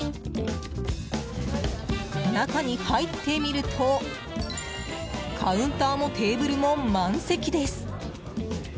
中に入ってみるとカウンターもテーブルも満席です。